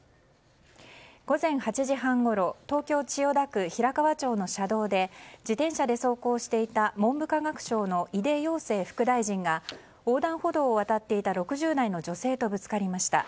午前８時半ごろ東京・千代田区平河町の車道で自転車で走行していた文部科学省の井出庸生副大臣が横断歩道を渡っていた６０代の女性とぶつかりました。